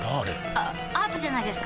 あアートじゃないですか？